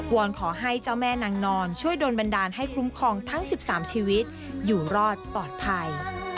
อนขอให้เจ้าแม่นางนอนช่วยโดนบันดาลให้คุ้มครองทั้ง๑๓ชีวิตอยู่รอดปลอดภัย